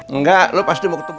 enggak lo pasti mau ketemu